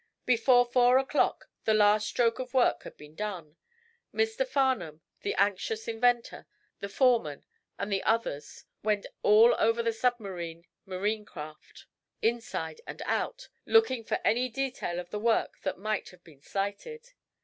Before four o'clock the last stroke of work had been done. Mr. Farnum, the anxious, inventor, the foreman and the others went all over the submarine marine craft, inside and out, locking for any detail of the work that might have been slighted.